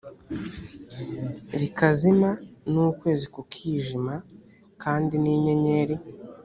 rikazima n ukwezi kukijima kandi n inyenyeri